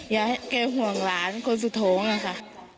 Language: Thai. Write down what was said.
อย่าให้แกห่วงหลานคนสุดโทษล่ะค่ะ